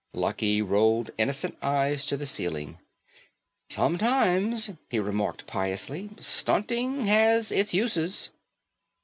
Lucky rolled innocent eyes to the ceiling. "Sometimes," he remarked piously, "stunting has its uses."